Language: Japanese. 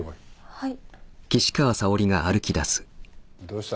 はい。